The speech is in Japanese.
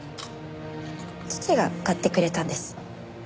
父が買ってくれたんです。